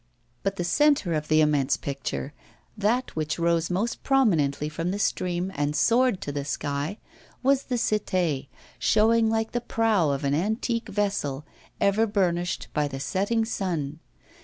But the centre of the immense picture, that which rose most prominently from the stream and soared to the sky, was the Cité, showing like the prow of an antique vessel, ever burnished by the setting sun.